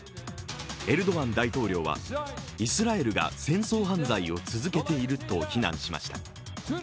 エルドアン大統領は、イスラエルが戦争犯罪を続けていると非難しました。